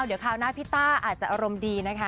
เดี๋ยวคราวหน้าพี่ต้าอาจจะอารมณ์ดีนะคะ